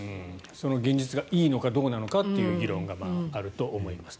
その現実がいいのかどうなのかという議論があると思います。